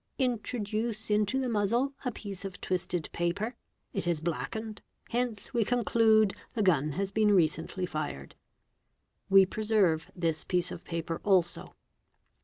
Introduce into the muzzle a piece of twisted paper; it is blackened; hence we conclude the gun has been recently fired; we preserve this piece of paper also.